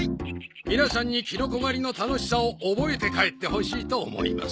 皆さんにキノコ狩りの楽しさを覚えて帰ってほしいと思います。